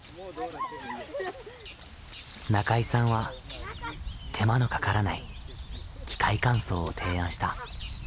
中井さんは手間のかからない機械乾燥を提案した。